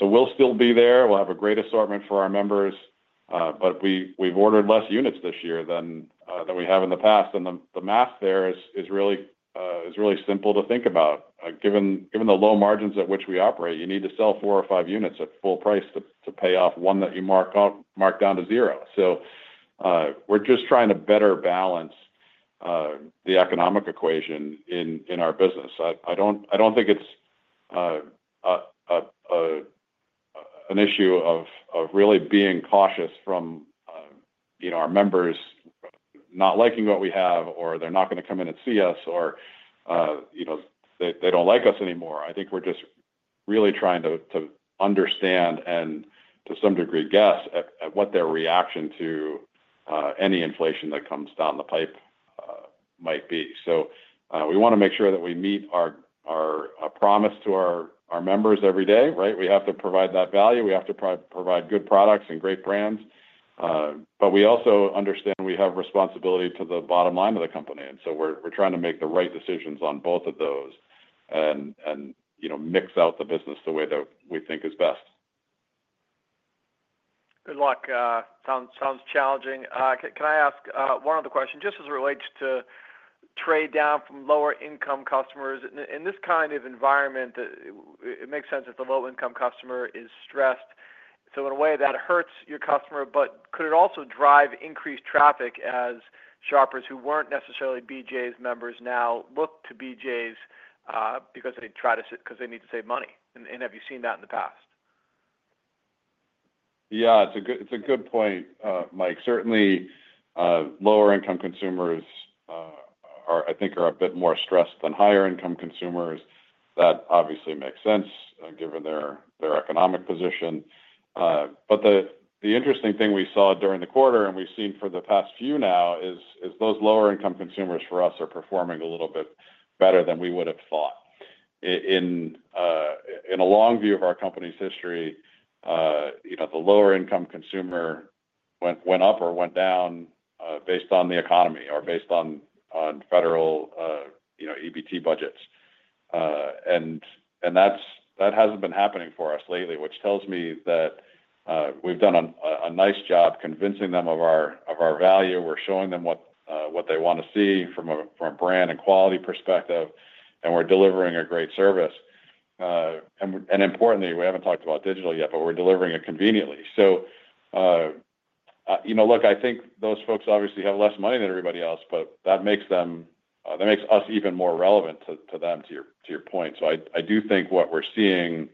We'll still be there. We'll have a great assortment for our members. We have ordered less units this year than we have in the past. The math there is really simple to think about given the low margins at which we operate. You need to sell four or five units at full price to pay off one that you mark down to zero. We're just trying to better balance the economic equation in our business. I don't think it's an issue of really being cautious from our members not liking what we have, or they're not going to come in and see us or they don't like us anymore. We're just really trying to understand and to some degree, guess what their reaction to any inflation that comes down the pipe might be. We want to make sure that we meet our promise to our members every day. We have to provide that value. We have to provide good products and great brands. We also understand we have responsibility to the bottom line of the company. We're trying to make the right decisions on both of those and mix out the business the way that we think is best. Good luck. Sounds challenging. Can I ask one other question? Just as it relates to trade down from lower income customers, in this kind of environment, it makes sense if the low income customer is stressed in a way that hurts your customer. Could it also drive increased traffic as shoppers who weren't necessarily BJ's members now look to BJ's because they need to save money? Have you seen that in the past? Yeah, it's a good point, Mike. Certainly lower income consumers are, I think, a bit more stressed than higher income consumers. That obviously makes sense given their economic position. The interesting thing we saw during the quarter, and we've seen for the past few now, is those lower income consumers for us are performing a little bit better than we would have thought in a long view of our company's history. You know, the lower income consumer went up or went down based on the economy or based on federal EBT budgets, and that hasn't been happening for us lately, which tells me that we've done a nice job convincing them of our value. We're showing them what they want to see from a brand and quality perspective, and we're delivering a great service. Importantly, we haven't talked about digital yet, but we're delivering it conveniently. I think those folks obviously have less money than everybody else, but that makes us even more relevant to them, to your point. I do think what we're seeing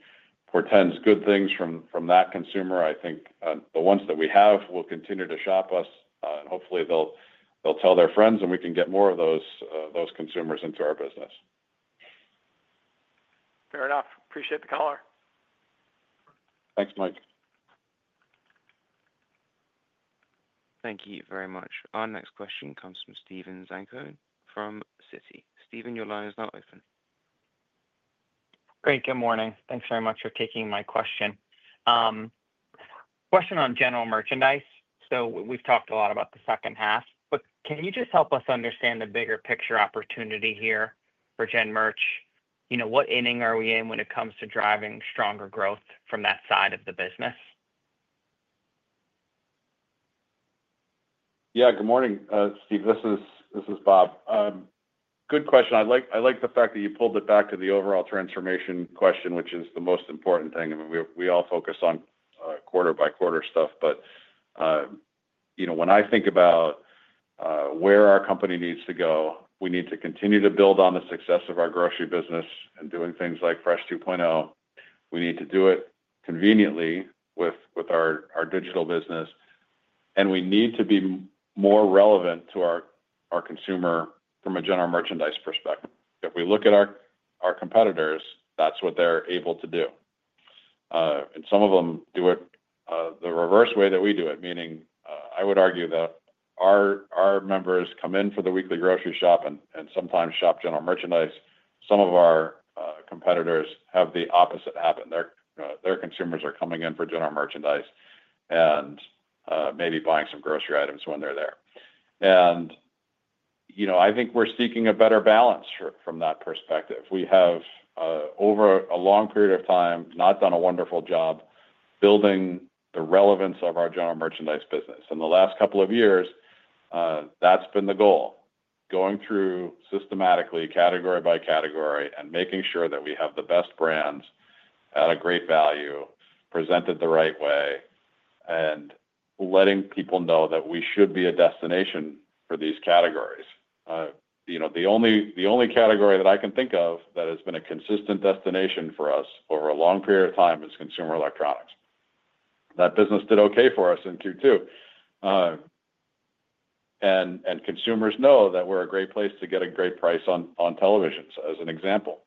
portends good things from that consumer. I think the ones that we have will continue to shop us, and hopefully they'll tell their friends and we can get more of those consumers into our business. Fair enough. Appreciate the color. Thanks Mike. Thank you very much. Our next question comes from Steven Zaccone from Citi. Steven, your line is now open. Great. Good morning. Thanks very much for taking my question on general merchandise. We've talked a lot about the second half, but can you just help us understand the bigger picture opportunity here for gen merch? You know, what inning are we in? When it comes to driving stronger growth from that side of the business? Good morning, Steve. This is Bob. Good question. I like the fact that you pulled it back to the overall transformation question, which is the most important thing. We all focus on quarter-by-quarter stuff. When I think about where our company needs to go, we need to continue to build on the success of our grocery business and doing things like Fresh 2.0. We need to do it conveniently with our digital business and we need to be more relevant to our consumer from a general merchandise perspective. If we look at our competitors, that's what they're able to do and some of them do it the reverse way that we do it. Meaning I would argue that our members come in for the weekly grocery shop and sometimes shop general merchandise. Some of our competitors have the opposite happen. Their consumers are coming in for general merchandise and maybe buying some grocery items when they're there. I think we're seeking a better balance from that perspective. We have over a long period of time not done a wonderful job building the relevance of our general merchandise business. In the last couple of years, that's been the goal, going through systematically, category-by-category and making sure that we have the best brands at a great value presented the right way and letting people know that we should be a destination for these categories. The only category that I can think of that has been a consistent destination for us over a long period of time is consumer electronics. That business did okay for us in Q2 and consumers know that we're a great place to get a great price on television as an example.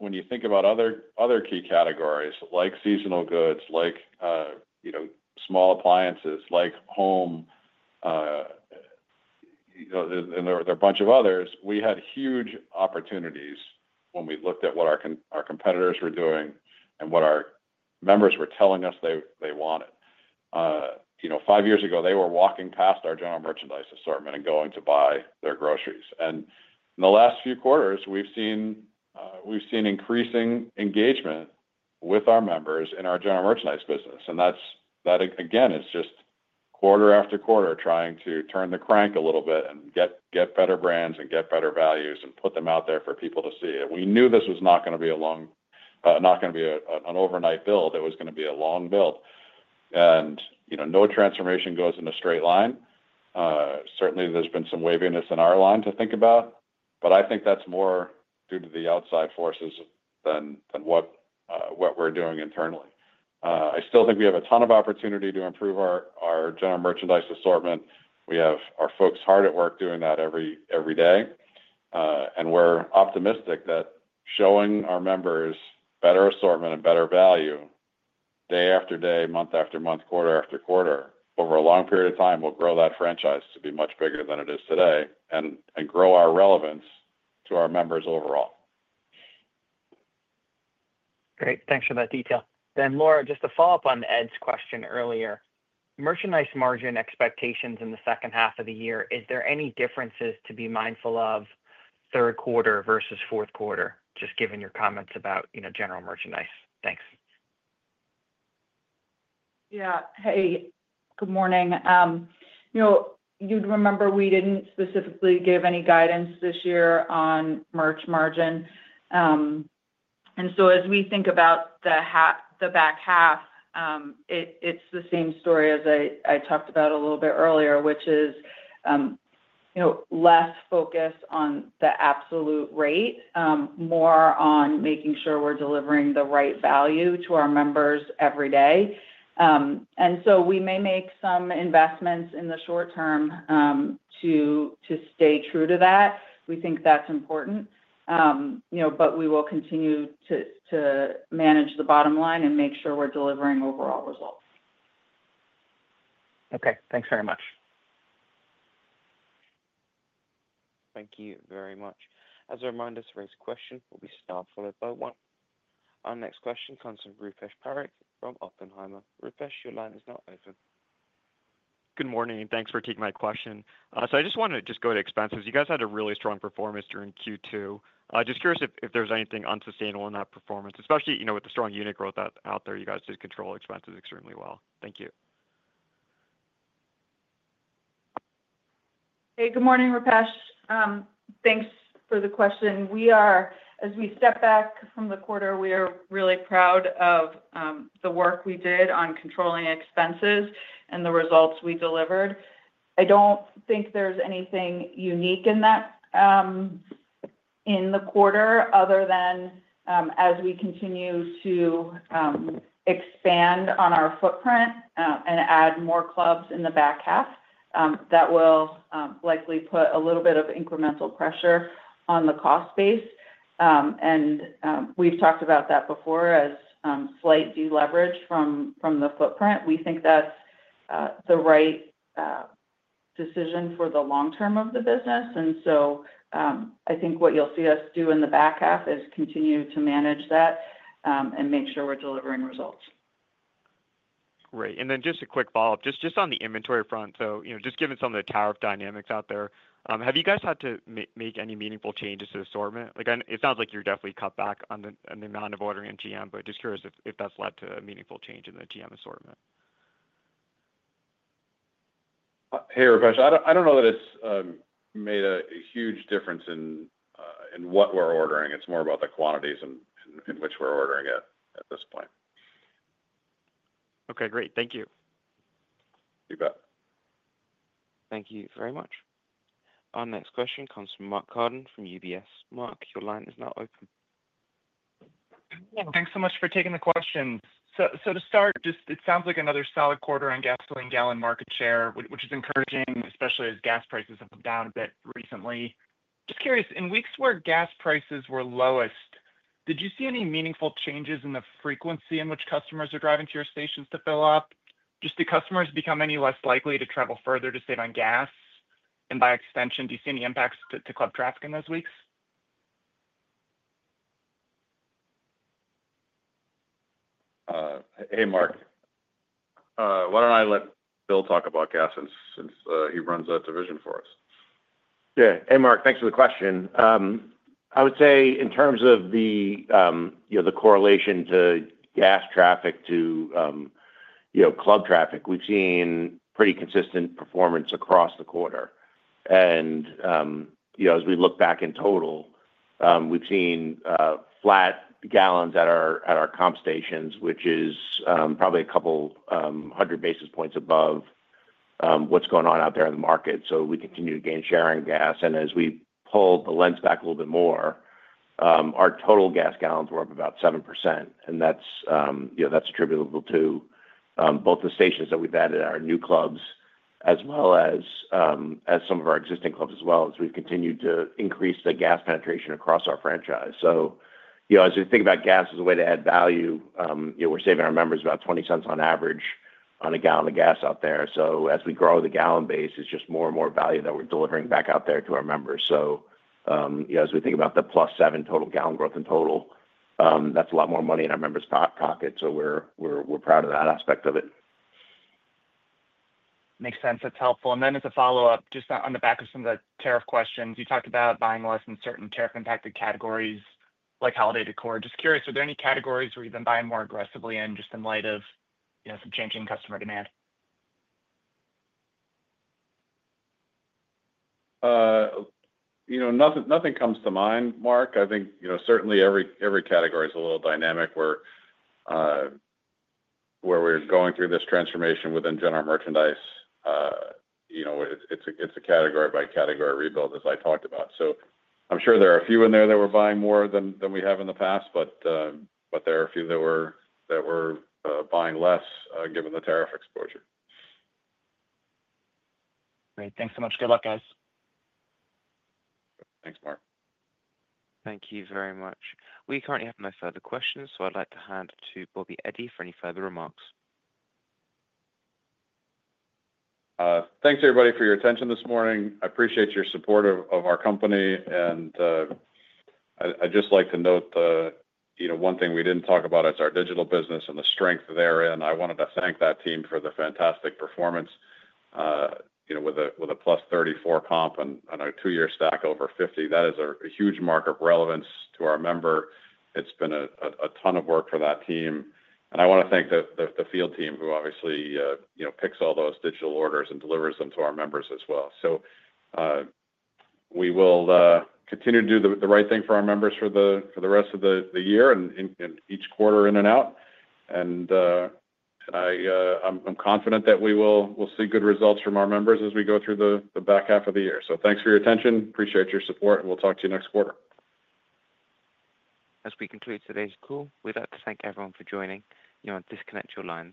When you think about other key categories like seasonal goods, small appliances, home, and there are a bunch of others, we had huge opportunities. When we looked at what our competitors were doing and what our members were telling us they wanted, five years ago they were walking past our general merchandise assortment and going to buy their groceries. In the last few quarters we've seen increasing engagement with our members in our general merchandise business. That again is just quarter-after-quarter trying to turn the crank a little bit and get better brands and get better values and put them out there for people to see. We knew this was not going to be an overnight build. It was going to be a long build. You know, no transformation goes in a straight line. Certainly there's been some waviness in our line to think about, but I think that's more due to the outside forces than what we're doing internally. I still think we have a ton of opportunity to improve our general merchandise assortment. We have our folks hard at work doing that every day. We're optimistic that showing our members better assortment and better value day-after-day, month-after-month, quarter-after-quarter, over a long period of time, will grow that franchise to be much bigger than it is today and grow our relevance to our members overall. Great, thanks for that detail. Then, Laura, just to follow up on Ed's question, earlier merchandise margin expectations in the second half of the year, is there any differences to be mindful of third quarter versus fourth quarter? Just given your comments about, you know, general merchandise. Thanks. Yeah. Hey, good morning. You'd remember we didn't specifically give any guidance this year on merch margin. As we think about the back half, it's the same story as I talked about a little bit earlier, which is less focus on the absolute rate, more on making sure we're delivering the right value to our members every day. We may make some investments in the short-term to stay true to that. We think that's important. We will continue to manage the bottom line and make sure we're delivering overall results. Okay, thanks very much. Thank you very much. As a reminder, to ask a question will be star one. Our next question comes from Rupesh Parikh from Oppenheimer. Rupesh, your line is now open. Good morning. Thanks for taking my question. I just wanted to go to expenses. You guys had a really strong performance during Q2. Just curious if there's anything unsustainable in that performance, especially, you know, with the strong unit growth out there. You guys did control expenses extremely well. Thank you. Hey, good morning, Rupesh. Thanks for the question. As we step back from the quarter, we are really proud of the work we did on controlling expenses and the results we delivered. I don't think there's anything unique in that in the quarter other than as we continue to expand on our footprint and add more clubs in the back half, that will likely put a little bit of incremental pressure on the cost base. We've talked about that before as slight deleverage from the footprint. We think that's the right decision for the long-term of the business. I think what you'll see us do in the back half is continue to manage that and make sure we're delivering results. Right. Just a quick follow-up on the inventory front. Given some of the tariff dynamics out there, have you guys had to make any meaningful changes to assortment? It sounds like you're definitely cut back on the amount of ordering in GM, but just curious if that's led to a meaningful change in the GM assortment. Hey, Rupesh, I don't know that it's made a huge difference in what we're ordering. It's more about the quantities in which we're ordering it at this point. Okay, great. Thank you. You bet. Thank you very much. Our next question comes from Mark Carden from UBS. Mark, your line is now open. Thanks so much for taking the question. It sounds like another solid quarter on gasoline gallon market share, which is encouraging, especially as gas prices have come down a bit recently. Just curious, in weeks where gas prices were lowest, did you see any meaningful changes in the frequency in which customers are driving to your stations to fill up? Did the customers become any less likely to travel further to save on gas, and by extension, do you see any impacts to club traffic in those weeks? Hey Mark, why don't I let Bill talk about gas since he runs that division for us? Yeah, hey Mark, thanks for the question. I would say in terms of the correlation to gas traffic to club traffic, we've seen pretty consistent performance across the quarter, and as we look back in total, we've seen flat gallons at our comp stations, which is probably a couple hundred basis points above what's going on out there in the market. We continue to gain share in gas. As we pull the lens back a little bit more, our total gas gallons were up about 7%. That's attributable to both the stations that we've added at our new clubs as well as some of our existing clubs, as we've continued to increase the gas penetration across our franchise. As we think about gas as a way to add value, we're saving our members about $0.20 on average on a gallon of gas out there. As we grow the gallon base, it's just more and more value that we're delivering back out there to our members. As we think about the +7% total gallon growth in total, that's a lot more money in our members' pocket. We're proud of that aspect of it. Makes sense. That's helpful. As a follow up, just on the back of some of the tariff questions, you talked about buying less in certain tariff-impacted categories like holiday decor. Just curious, are there any categories where you've been buying more aggressively just in light of, you know, some changing customer demand? Nothing comes to mind. Mark, I think certainly every category is a little dynamic where we're going through this transformation within general merchandise. You know, it's a category-by-category rebuild as I talked about. I'm sure there are a few in there that we're buying more than we have in the past, but there are a few that we're buying less given the tariff exposure. Great. Thanks so much. Good luck, guys. Thanks, Mark. Thank you very much. We currently have no further questions, so I'd like to hand to Bob Eddy for any further remarks. Thanks everybody for your attention this morning. I appreciate your support of our company, and I'd just like to note that one thing we didn't talk about is our digital business and the strength there. I wanted to thank that team for the fantastic performance. With a +34% comp and a two-year stack over 50%, that is a huge mark of relevance to our member. It's been a ton of work for that team, and I want to thank the field team who obviously picks all those digital orders and delivers them to our members as well. We will continue to do the right thing for our members for the rest of the year and each quarter in and out. I'm confident that we will see good results from our members as we go through the back half of the year. Thank you for your attention, appreciate your support, and we'll talk to you next quarter. As we conclude today's call, we'd like to thank everyone for joining. Now, disconnect your lines.